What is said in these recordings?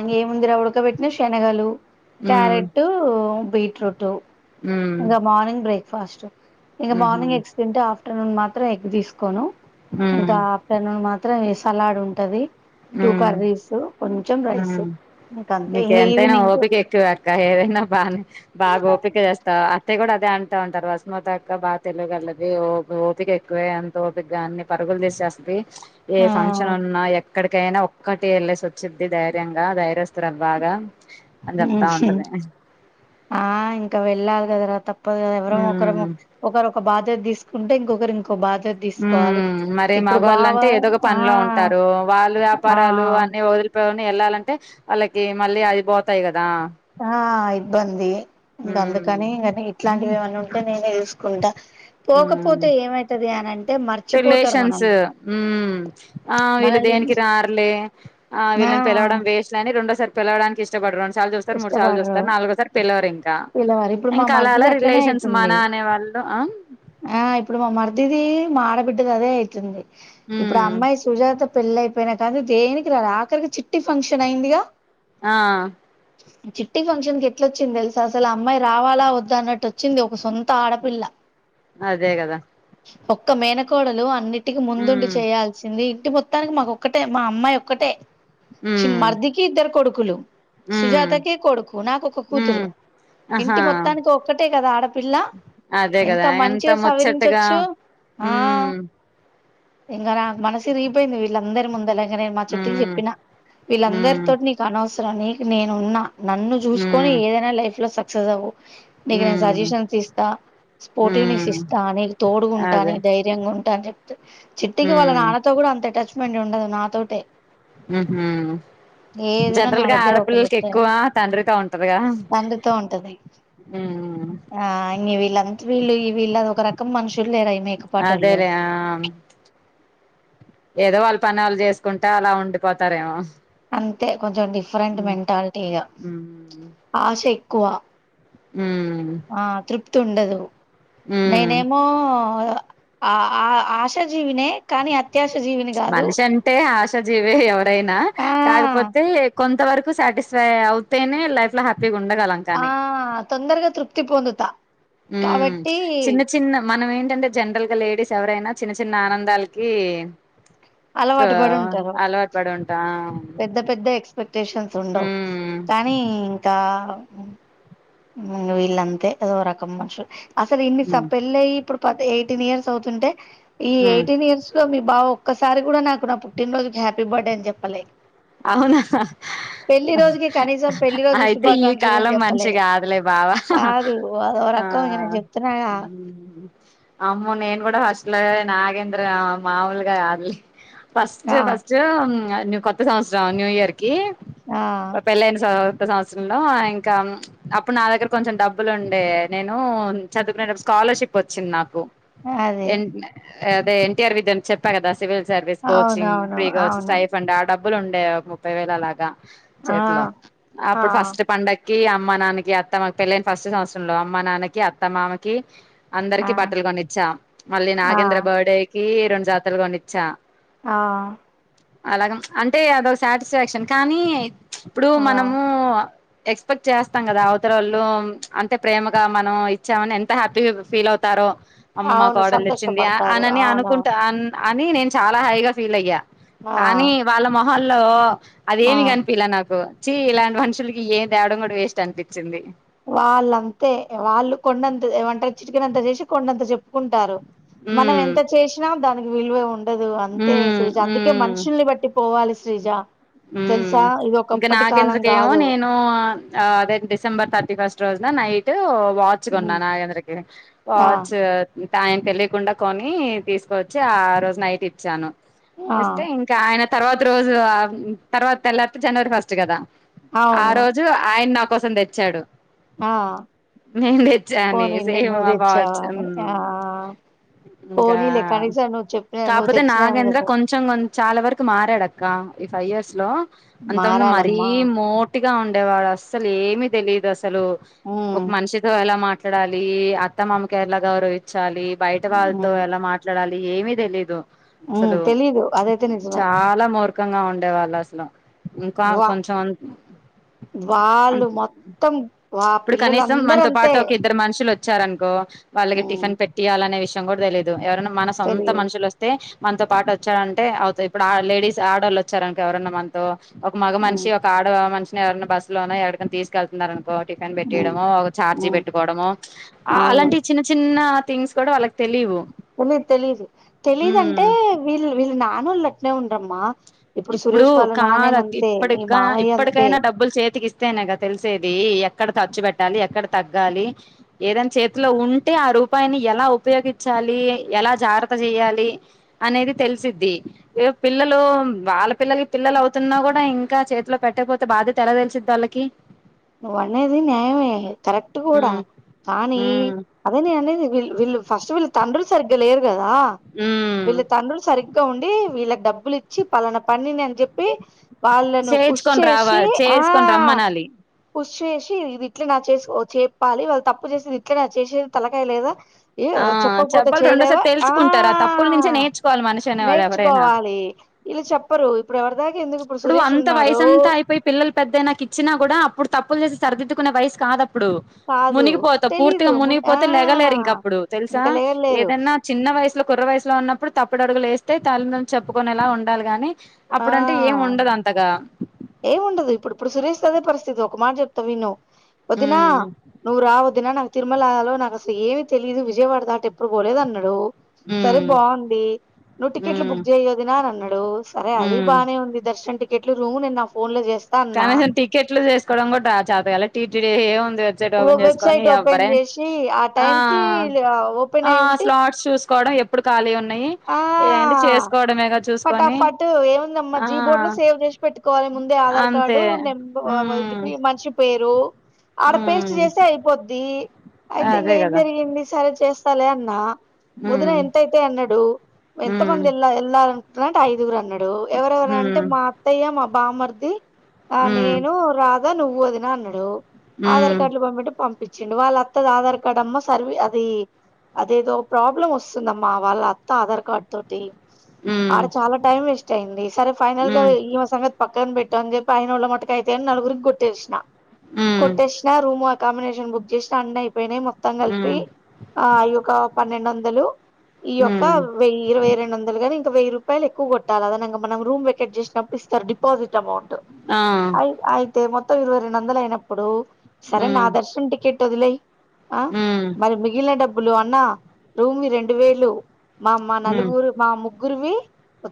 అంగేం ఉందిరా ఉడక పెట్టిన షెనగలు హ్మ్. క్యారెట్ బీట్రూట్ హ్మ్. ఇంగ మార్నింగ్ బ్రేక్ ఫాస్టు ఇంగ ఆహా! మార్నింగ్ ఎగ్స్ తింటే ఆఫ్టర్నూన్ మాత్ ట్రా ఎగ్ తీసుకోను ఇంకా హ్మ్. అఫ్టర్ నూన్ మాత్రం వేస్త సలాడ్ ఉంటది టూ కర్రీస్ కొంచెం రైస్ ఇంకంతే నీక ఇంగ ఎంతైనా ఈవినింగ్ ఓపిక ఎక్కువే అక్క ఏదైనా బానే బాగా ఓపిక చేస్తా అయిే కూడా అదే అంటా ఉంటారు వస్మతాక్క బా తెలియదు ఓ ఓపిక ఎక్కువే అంత ఓపికగా అన్ని పరుగులు తీసేస్తుది ఏ ఆ ఫంక్షన్ ఉన్నా ఎక్ ఇక్కడికైనా ఒక్కతే వెళ్ళసి వచ్చిద్ది ధైర్యంగా ధైర్య ఆ ఇంకా వెళ్ళాలి కదరా ఎవరమో ఒకరు హ్మ్. ఒకరు ఒక బాధ్యత తీసుకు ఉంటే ఇంకరి ఇం ఉ మరి మగవాళ్ళు బావ అంటే ఏదో ఒక ఆ పనిలో ఉంటారు వాళ్ళు వ్యాపారాలు ఆ అన్ని వదిలిపోయి వెళ్ళాలంటే వాళ్ళకి మళ్ళీ అది పోతాయి కదా ఆ ఇబ్బంది ఇంగ ఉమ్ అందుకని ఇంకానీ ఇట్లాంటి ఏమన్న ఉంటే నేనే చూసుకుంటా హమ్ పోకపోతే ఏమైతది అని అంటే మర్చిపోతారు రిలేషన్స్ మనల్ని ఆ వీళ్ళు మనల్ని దేనికి రార్లే ఆ వీళ్ళని పిలవడం వేస్లేని రెండోసారి కలవడానికి ఇష్టపడర్ సార్లు చూస్తారు మూడు సార్లు ఇష్టపడరు చూస్తారు నాలుగోసారి పిలవరు ఇంకా పిల్లవారు ఇప్పుడు మా ఇంకా అలా అలా మరిదిది అట్లనే రిలేషన్స్ మన అయితుంది అనే వాళ్ళు ఆ ఇప్పుడు మా మర్దిది మా ఆడబిడ్డది అదే అయితుంది ఇప్పుడు ఆ ఉమ్ అమ్మాయి సుజాత పెళ్ళ అయిపోయినా కానుంచి దేనికి రాల ఆఖరికి చిట్టి ఫంక్షన్ అయిందిగా ఆ చిట్టి ఫంక్షన్ కి ఎట్లొచ్చింది తెలుసా అసలు అమ్మాయి రావాలా వద్దా అన్నట్టు వచ్చింది ఒక సొంత ఆడపిల్ల అదే కదా ఒక్క మేనకోడలు అన్ని ఇంటికి ముందుండి ఉమ్ చేయాల్సింది ఇంటి మొత్తానికి మాకొక్కటే మా అమ్మాయి ఒక్కటే చి ఉమ్ మర్దికి ఇద్దరు కొడుకు కులు ఉమ్ సుజాతకే కొడుకు నాకు ఒక ఉమ్ కూతురు ఆహా ఇంటి మొత్తానికి ఒక్కటే కదా ఆడపిల్ల అదే కదా ఎంత మంచిగా ముచ్చట్గా సవరించొచ్చు హ్మ ఇంకా నాక్ మనసి రగిపోయింది వీళ్ళందరి ముందలని ఇ నేను మా చిట్టి కి ఉమ్ చెప్పిన ఉమ్ వీళ్ళందరితోటి నీకు అనవసరం రాని ఇ నేనున్న నన్ను చూసుకొని ఉమ్ ఏదైన లైఫ్ లో సక్ చదవు నీకు నేను ఉమ్ సజెషన్స్ ఇస్తా స్పోర్టివ్ నెస్ ఉమ్ ఇస్తా నీకు తోడుగాంటా అదే న ధైర్యంగా ఉంటా అని చెప్ చిట్టికి వాళ్ళ ఉమ్ నాన్నతో కూడ అంత అటాచ్ మెంట్ ఉండదు నా తోటే హ్మ నా జనరల్గా దగ్గర ఆడపి తండ్రితో ఉంటది ఉమ్ ఆ వీళ్ళంత వీళ్ళు ఈ వీళ్ళు అది ఒక రకం మనుషులు లేరా ఈ మేకపాటోళ్ళు అదేలే ఆ ఏదో వాళ్ళ పని వాళ్ళు చేసుకుంటా అలా ఉండిపోతారేమో అంతే కొంచెం డిఫరెంట్ ఉమ్ మెంటాలిటీగా ఉమ్ ఆశ ఎక్కువ హ్మ తుండదు నేనేమో ఆ ఆ ఆశా జీవినే కానీ అత్యాశ జీవిని కాదు మనిషంటే ఆశ జీవే ఎవ ఐనా ఆ కాకపోతే కొంత వరకు సాటిస్ఫై అవుతేనే లైఫ్ లో హ్యాప్ ఆ తొందరగా తృప్తి పొందుతా ఉమ్ కాబట్టి చిన్న చిన్న మనం ఏంటంటే జనరల్ గా లేడీస్ ఎవరైనా చిన్న చిన్న ఆనందాలకి ఆ అలవాటు పడి ఉంటారు అలవాటు పడి ఉంటా పెద్ద పెద్ద ఎక్స్పెక్టేషన్స్ ఉండవు ఉమ్ కానీ ఇంకా అవును మ్ వీళ్ళంతే అదో రకం మనుషులు అసలు ఇన్నిస ఉమ్ పెళ్లఅయి పత్ ఎయిటీన్ ఇయర్స్ అవుతుంటే ఈ ఉమ్ ఎయిటీన్ ఇయర్స్ లో మీ బావ ఒక్కసారి కూడా నాకు నా పుట్టినరోజుకి హ్యాపీ బర్త్డే అని చెప్పలే అవునా అహ్ పెళ్లి అహ్ రోజుకి కనీసం పెళ్లి అహ్ రోజు అయితే ఈ శుభాకాంక్షలు అని కాలం మనిషి చెప్పలే కాదులే బావా కాదు అదో ఆ రకం ఇగ నేను చెప్తున్నాగా మ్ అమ్మోనేన్ కూడా అస్ల నాగేంద్ర మాములుగా గాదులే ఫస్ట్ ఆ ఫస్ట్ మ్ ను కొ త్త సంవత్సరం న్యూ ఇయర్ కి ఆ మా పెళ్లి అయిన సం త సంవత్సరంలో ఆ ఇంకా అప్పుడు నా దగ్గర కొంచెం డబ్బులు ఉండే నేను చదువుకునేటప్పుడు స్కాలర్షిప్ వచ్చింది నాకు అదే ఎంట్నే అదే ఎన్టీఆర్ విద్యని చెప్పా కదా సివిల్ సర్వీస్ కోచింగ్ అవునవును ఫ్రీగా వచ్చి అవును స్టయిఫెండ్ ఆ డబ్ బ్బులుండే ముప్పై వేలు అలాగా ఆ చేతిలో ఆ అప్పుడు ఫస్ట్ పండగ కి అమ్మ నాన్నకి అత్తమ్మకి పెళ్ళైన ఫస్ట్ సంవత్సరంలో అమ్మ నాన్నకి అత్తమ్మామకి ఆ అందరికి బట్టలు కొనిచ్చా మళ్ళీ ఆ నాగేంద్ర బాడే కీ రెండు జతలుగొనిచ్చా ఆ అలాగ అంటే అదో స్ సాటిస్ఫాక్షన్ కానీ ఇప్పుడు ఆ మనము ఎక్స్పెక్ట్ చేస్తాం కదా అవతల వాళ్ళు అంతే ప్రేమగా మనం ఇచ్చామని ఎంత హ్యాపీ ఫీల్ అవుతారుో అమ్మ మాకు అవును ఆర్డర్ తెచ్చింది సంతోషపడతారు అనని అవును అనుకుంటా ఆన్ అని నేను చాలా హాయిగా ఫీల్ అయ్యా ఆ మహల్లో ఆ అదేమి కనిపిలా నాకు చి ఇలాంటి మనుషులకి ఏ తేవడం కూడా వేస్ట్ అనిపించింది వాళ్ల్ అంతే వాళ్ల్ కొండంత ఒంటరీ చిట్కనంత చేసి కొండంత చెప్పుకుంటారు మనం ఉమ్ ఎంత చేసినా దానికి విలువ ఉం ఉండదు అంతే ఉమ్ శజ్ అందుకే ఉమ్ మనుషుల్ని బట్టి పోవాలి శ్రీజా ఉమ్ ఇంకా నాగేంద్రకిేమో కాదు నేను ఆ అదే డిసెంబర్ త థర్టీ ఫస్ట్ రోజున నైట్ వాచ్ ఉమ్, కొన్నానా ఎందకి ఆ వాచ్ [unintelligible] ఆయన తెలియకుండా కొని తీసుకవచ్చి ఆ రోజు నైట్ ఇచ్చాను ఆ వస్తే ఇంకా ఆయన తర్వాత రోజు ఆ తర్వాత తెళ్లత జనవరి ఫస్ట్ కదా ఆ అవును రోజు ఆయన నాకు కోసం తెచ్చాడు ఆ నేను తెచ్చా అని పోనీలే సేమ్ నువ్వు వాచ్ తెచ్చవానే సే ఆ ఇంకా పోనీలే కనీసం నువ్వు చెప్పిన నువ్వు కాపోతే తెచ్చినా నాగేంద్ర కదా కొంచెం చాలా వరకు మారాడ అక్క ఈ హ్రేయర్స్ లో అంతా ముందు మరీ మారాలమ్మా మోట్ టిగా ఉండేవాడు అస్సలు ఏమిీ తెలీయదు అస్సలు అసలు ఒక ఉమ్ మనిషితో ఎలా మాట్లా చూడాలి అత్త మామ కే ఎల గౌరవించాలి వాళ్ళతో ఎలా మాట్లాడాలి ఏమిీ తెలీయదు ఉ తెలీదు అదైతే నిజమే దుఃఖంగా ఉండేవాళ్ళు అసలు ఇంకా వా కొంచెం వాళ్ళు మొత్తం వా ఇప్పుడు కనీసం పిల్లలందరూ మనతో అంతే పాటు ఒక ఇద్దరు మనుషులు వచ్చారనుకో వాళ్ళకి ఉమ్ టిఫిన్ పెట్టియాలనే విషయం చెం గూడా తెలీదు మన సొంత తెలీదు మనుషులు వస్తే మనతో పాటు వచ్చాడంటే అవుతా ఇప్పుడు లేడీస్ ఆడళ్ళు వచ్చారనుకో ఎవరైన్నా మనతో ఒక మగ ఉమ్ మనిషి ఒక ఆడ మనిషి ఎవరైన బస్సు లో ఎక్కడిక తీసుళ్తున్నారు కో టిఫెన్ ఉమ్ పెట్టేయడమో ఒక చార్జీ ఉమ్ పెట్టుకోవడము అవును అలాంటి చిన్న చిన్న థింగ్స్ గూడా వలకి తెలివు తెలీదు తెలీదు తెలీధంటే వీళ్ళు వీళ్ళు నానోళ్ళ ఉండ్రమ్మా ఇప్పుడు కాద్ కా మీ ఇప్పటిగా మామయ్య అంతే ఇప్పటికైనా డబ్బులు చేతికి ఇస్తేనేక తెలిసేది ఎక్కడ ఖర్చు పెట్టాలి ఎక్కడ తగ్గాలి ఏదైనా చేతిలో ఉంటే ఆ రూపాయిని ఎలా ఉపయోగించాలి ఎలా జాగ్రత్త చేయాలి అనేది తెలిసిద్ధి ఏదో పిల్లలు వాళ్ళ పిల్లకి పిల్లలు అవుతున్నా గూ డా ఇంకా చేతిలో పెట్టకపోతే బాధ్యత ఎలా తెలిసిద్ వాళ్ళకి నువ్వ అనేది న్యాయమే కరెక్ట్ గూడా ఉమ్ కానీ ఉమ్ అదే నే అనేది వీళ్ళు ఫస్ట్ విల్ల తండ్రిలు సరిగ్గా లేర్ కదా ఉమ్ వీళ్ళ తండ్రులు సరిగ్గా ఉండి వీళ్ళ డబ్బులు ఇచ్చి పలానా పనిని అని చెప్పి వాళ్ళను పుష్ చేయించుకొని చేసి రావాలి ఆ చేసుకొని రమ్మనాలి పుష్ చేసి ఇది ఇట్లా నా చేసుకో చెప్పాలి వాళ్ళు తప్పు చేసేది ఇట్లా నా చేసేది తలకాయ లేదా ఏ ఆ చెప్పకపోతే చెప్పాలి రెండోసారి చేయలేవా ఆ తెేల్చుకుంటారా తప్పుల నుంచే నేర్చుకోవాలి మనిషి అనే వాడు ఎవరైనా నేర్చుకోవాలి వీళ్ళు చెప్పరు ఇప్పుడు ఎవరి దాకా ఎందుకు ఇప్పుడు సురేష్ అంత ఉన్నాడు వయసంతా అయిపోయి పిల్లలు పెద్దైనాక ఇచ్చినా కూడా అప్పుడు తప్పులు చేసి సరిదిద్దుకునే వయసు కాద ఇప్పుడు కాదు మునిగిపోతా తెలీదు పూర్తిగా మున్ ఆ మునిగిపోతే లెగలేరు ఇంకా ఇప్పుడు తెలుసా ఇంకా లేరు లేరు ఏదైన్నా చిన్న వయసులో కుర్ర వయసులో ఉన్నప్పుడు తప్పు ఇప్పుడు అడుగులు వేస్తే తల్లిద్రలు చెప్పుకునేలా ఉండాలిగాని ఆ ఏం ఉండదు ఇప్పుడు ఇప్పుడు సురేష్ అదే పరిస్థితి ఇది ఒక మాట చెప్తా విను వదినా ఉమ్ నువ్వురా వదిన నా తిరుమలలో నాకు అసలు ఏమి తెలీయదు విజయవాడ దాటి ఎప్పుడు పోలేదు అన్నాడు సరే ఉమ్ బాగుంది నువ్వు టికెట్లు ఉమ్ బుక్ చేయ్యొ వదిన అని అన్నాడు అరే అది ఉమ్ బానే ఉంది టికెట్ రూ నేను నా ఫోన్ లో చేస్త కనీసం టికెట్లు చేేసుకోవడం కూడా రా చాదు కల టీ ఏ వెబ్సైట్ ఓపెన్ చేసుకొని వెబ్సైట్ ఓపెన్ ఎవ్వరే చేసి ఆ టైం కి ఓపెన్ ఆ అయి ఉంటే స్లాట్స్ చూసుకోవడం ఎప్పుడు ఖాళీ ఉన్నాయి ఆ ఏంటి చేసుకోవడమే క చూసుకొని ఫటాఫట్ ఏముందమ్మా ఆ అంతే కాడు నంబ మ్మ్ ఇ మనిషి పేరు ఆడ పేస్ట్ మ్మ్ చేస్తే అయిపోద్ది అయితే ఇంక అదే ఏం కదా జరిగింది సరే చేస్త తలే అన్నా ముదున మ్మ్ ఎంతైతయి అన్నడు మ్మ్ ఎంతమంది ఎలా ఎలా అనుకుంటున్నరు అంటే ఐగురురు అన్నడు ఎవరెవరు అంటే మ్మ్ మా అత్తయ్య మా బామ్మర్ది ఆ మ్మ్ నేను రాత్ తే నువ్వొదినా అన్నడూ ఆధార్ మ్మ్ కార్డులు పంపు అంటే పంపి చ్చిండు వాళ్ళ అత్తది ఆధార్ కార్డ్ అమ్మా సర్వీ అది అదేదో ప్రాబ్లమ్ వస్తుందమ్మా వాళ్ళ అత్త ఆధార్ కార్డ్ తోటి మ్మ్ ఆడ చాలా టైం వేస్ట్ టైంది సరే ఫైనల్గా మ్మ్ ఈ మా సంగ పక్కన పెట్టు అని చెప్పి అయినోళ్ళ మట్టుకు అయితయి అని నలుగురికి కొట్టేసిన మ్మ్ కొట్టష్నా రూమ్ కాంబినేషన్ బుక్ చేసిన అన్ని అయి పోయినయి మొత్తం కలిపి మ్మ్ ఆ అయొ ఒక పన్నెండొందలు ఈ యొక్ క మ్మ్ వెయ్యి ఇరవై రెండొందలు గని ఇంక రూపాయలు ఎక్కువ కొట్టాలదనంగ మనం రూమ్ వెకెట్ చేసినప్పు ఇస్తారు డిపాజిట్ అమౌంట్ ఆ ట్ అయి అయితే మొత్త మొత్తం ఇరవై రెండొందలు అయినప్పుడు సరే నా మ్మ్ దర్శష్ టికెట్ ట్టొదిలేయ్ ఆ మ్మ్ మరి మిగిలిన డబ్బు బ్బులు అన్నా రూమి రెండు వేలు మా మా మ్మ్ నలుగురు మా ముగ్గురువి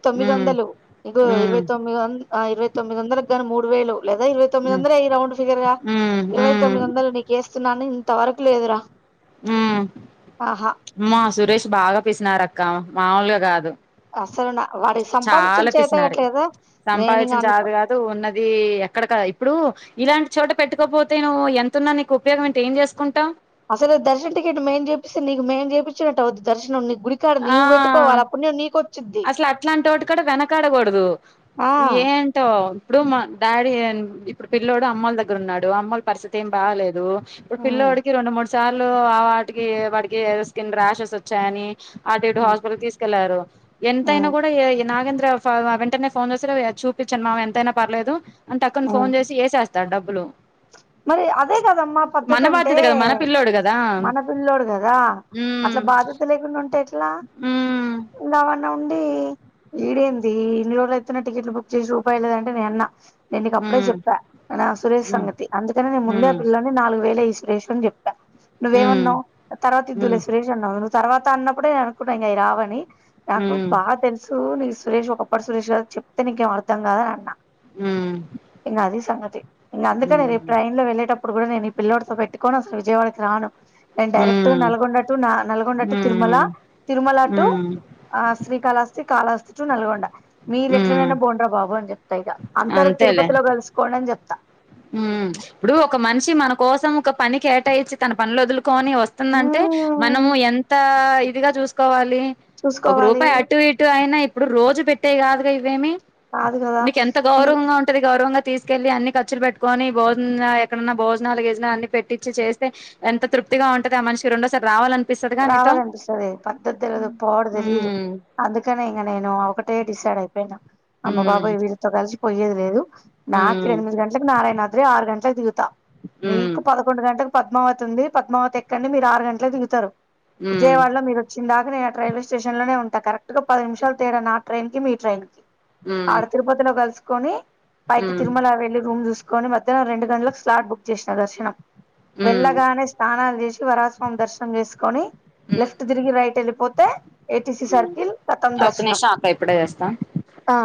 తొమ్మిది మ్మ్ వందలు ఇగో మ్మ్ ఇరవై మ్మ్ తొమ్మిది వంద ఆ ఇరవై తొమ్మిది వందలకిగానీ మూడు డువేలు [unintelligible] లేదా ఇరవై తొమ్మిది వందల వేయి రౌండ్ ఫిగర్ గా మ్మ్ ఇరవై తొమ్మిది మ్మ్ వందలు నీకుేస్తున్నాను తారకులేదురా మ్మా సురేష్ బాగా పేసినారక్క క మాముూలుగా కాదు అసలు నా వాడికి సంపాదించడం చాలా పిసినారి చేతగాట్లేదా నేను ఇంగ సంపాదించడం చాత అనుకో కాదు ఉన్నది ఎక్కడ కద ఇప్పుడు ఇలాంటి చోట పెట్టుకపోతే నువ్వు ఎతున్నా నీకు ఉపయోగం ఏంటి ఏం చేసుకుంటావు అసలు దర్శన్ టికెట్ మేము చేపిస్తే నీకు మేము చేపిచ్చినట్టు అవుది దర్శనం గుడికాడ ఆ నీవు పెట్టుకోవాల అప్పుడు పుణ్యం నీకు అసలు అట్లాంటి వాటి కాడ వెనకాడకూడదు ఆ ఏంటో ఇప్పుడు మ డాడి ఇప్పుడు పిల్ల్లోడు అమ్మోల్ల దగ్గర ఉన్నాడు అమ్మోల్ల పరిస్థితి ఏం బాగలేదు ఇప్పుడు ఉమ్ పిల్లోడికి రెండు మూడు సార్లు వాటికి వాటికి స్కిన్ ర్యాషెస్ వచ్చాయని అటు ఇటు ఉమ్ హాస్పిటల్కి తీసుకెళ్లారు ఎంతైనా ఉమ్ కూడా నాగేంద్ర వెంటనే ఫోన్ చేసి చూపించను మామ ఎంతైనా పర్లేదు అంటే అక్కను ఉమ్. ఫోన్ చేసి వేసేస్త తడబ్బులు మరి అదే కదమ్మా పద్ధతి అంటే కదా మన పిల్లోడు కదా మన పిల్లోడు కదా ఉమ్ అట్లా బాధ్యత లేకుండా ఉంటే ఎట్ల ఉమ్ ఇలావంట ఉండి ఈడేంది ఇన్ని రోజులుయితున్న టికెట్లు బుక్ చేసి రూపాయి లేదంటే నే అన్నా నేను నీకి అప్పుడే ఉమ్ చెప్పా నా సురేష్ ఉమ్ సంగతి అేను ముందే ఉమ్ పిల్లాణ్ణి నాలుగు వేల ఈశ్లేష చెప్ [unintelligible] ఉమ్ నువ్వేమన్నావ్ తర్వాత ఇద్దులే ఉమ్ సురేష్ అన్నావ్ తర్వాత అన్నప్పుడే అనుకున్నా ఇంకావి రావని నాకు ఉమ్ బా తెలసు సురేష్ ఒకపడి సరేష్ కాదు చెప్తే నీకేం అర్థం కాదని అన్నా ఇంగ అది సంగతి ఉ ట్రైన్లో వెళ్లేటప్పుడు కూడా నే ఈ పిల్లోడితో పెట్టుకుని అసలు విజయవాడకి రాను నేను డైరెక్ట్గా ఉమ్ నల్గొండ టు నల్గొండటు తిరుమల ఉమ్ తిరుమల టు ఉమ్ ఆ శ్రీకాళహస్తి కాళాస్తి టు నల్గొండ మీరు ఉమ్ ఎట్లనైనా బోండ్ర బాబు అని చెప్తా ఇక అందరు అంతేలే తిరుపతిలో కలుసుకోండి అని చెప్తా ఉమ్ ఇప్పుడు ఒక మనిషి మన కోసం ఒక పని కేటాయించి తన పనులు వదులుకోని వస్తుందంటే మ్మ్ మనము ఎంత ఇదిగా చూసుకోవాలి. ఒక చూసుకోవాలి రూపాయి అటు ఇటు అయిన ఇప్పుడు రోజు పెట్టేయి కాదుగా ఇవేమి కాదు గదా నీకు ఎంత [unintelligible] గౌరవంగా ఉంటది గౌరవంగా తీసుకెళ్లి అన్ని ఖర్చులు పెట్టుకోని భోజన ఎక్కడన్నా భోజనాలు గీజనాలు అన్ని పెట్టిచ్చి చేస్తే ఎంత తృప్తిగా ఉంటది. ఆ మనిషి రెండో సారి రావాల రావాలనిపిస్తది పద్దతి తెలియదు పాడు తెలియదు. ఉమ్ అందుకనే ఇంక నేను ఒకటే డిసైడ్ అయిపోయిన అమ్మ ఉమ్ బాబోయ్ వీళ్ళతో కలిసి పొయ్యేది లేదు. నాకు ఉమ్ ఎనిమిది గంట్లకి నారాయణ అధ్రి ఆరు గంట కి దిగుత ఉమ్ మీకు పదకొండు గంటల పద్మావతి ఉంది. పద్మావతి ఎక్కండి మీరు ఆరు గంటలకి దిగుతారు. ఉమ్ విజయవాడలో మీరొచ్చి అందాక నేను రైల్వే స్టేషన్ లోనే ఉంట కరెక్ట్గా పది నిమిషాలు తేడ నా ట్రైన్ కి మీ ట్రైన్ కి ఉమ్ ఆడ తిరుపతిలో కల్సు కొనీ పైకి ఉమ్ తిరుమల వెళ్ళి రూమ్ చూస్ కాని మధ్యానం రెండు గంటలకు స్లాట్ బుక్ చేసిన దర్శనం ఉమ్ వెళ్ళగానే స్నానాలు చేసి వరాహస్వామి దర్శనం చేసుకు ని ఉమ్ లెఫ్ట్ తిరిగి రైట్ వెళ్ళిపోతే ఏటీసి సర్కిల్ పోతం ఒక్క దర్శనం నిమిషం అక్క ఇప్పుడే చేస్తా ఆ